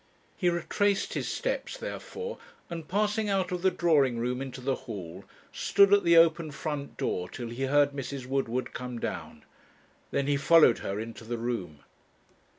He retraced his steps, therefore, and passing out of the drawing room into the hall, stood at the open front door till he heard Mrs. Woodward come down. Then he followed her into the room.